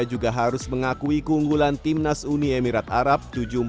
juga harus mengakui keunggulan timnas uni emirat arab tujuh empat delapan enam